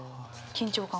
緊張感を。